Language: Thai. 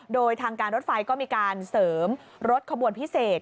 โดยทางการรถไฟก็มีการเสริมรถขบวนพิเศษ